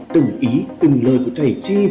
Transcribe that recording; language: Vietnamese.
từng ý từng lời của thầy chi